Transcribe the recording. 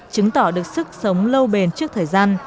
chứng tỏ được sức sống lâu bền trước thời gian